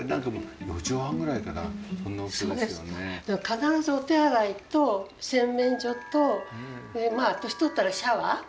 必ずお手洗いと洗面所と年取ったらシャワー。